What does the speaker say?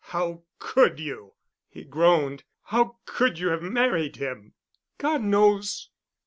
"How could you?" he groaned. "How could you have married him?" "God knows!"